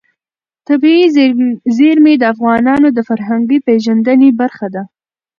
طبیعي زیرمې د افغانانو د فرهنګي پیژندنې برخه ده.